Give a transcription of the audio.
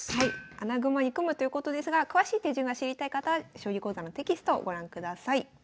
穴熊に組むということですが詳しい手順が知りたい方は将棋講座のテキストをご覧ください。